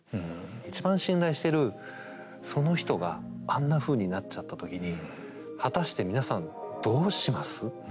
一番信頼してるその人があんなふうになっちゃった時に果たして皆さんどうします？っていう。